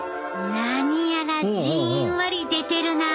何やらじんわり出てるなあ。